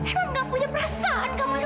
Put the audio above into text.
emang gak punya perasaan kamu itu